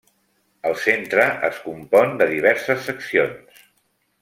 El Centre es compon de diverses seccions.